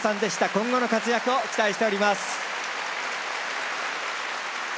今後の活躍を期待しております。